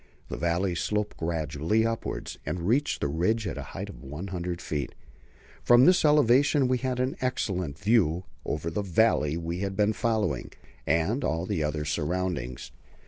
The valley sloped gradually upwards, and reached the ridge at a height of 100 feet. From this elevation we had an excellent view over the valley we had been following, and all the other surroundings.